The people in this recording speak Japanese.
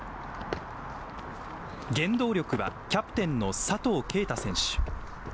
原動力はキャプテンの佐藤圭汰選手。